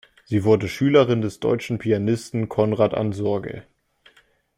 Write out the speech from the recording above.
Sie wurde Schülerin des deutschen Pianisten Conrad Ansorge.